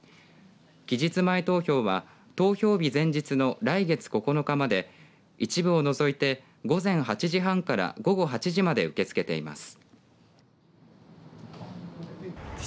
期日前投票は、投票日前日の来月９日まで一部を除いて午前８時半から午後８時まで受け付けています。